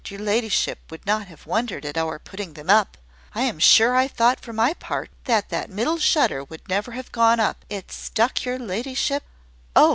your ladyship would not have wondered at our putting them up. I am sure I thought for my part, that that middle shutter never would have gone up. It stuck, your ladyship " "Oh!"